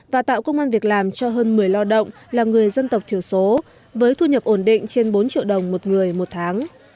và tạo công an việc làm cho hơn một mươi lao động là người dân tộc thiểu số với thu nhập ổn định trên bốn triệu đồng một người một tháng